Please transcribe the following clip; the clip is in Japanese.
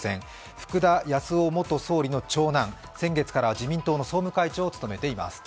福田康夫元総理の長男、先月から自民党の総務会長を務めています。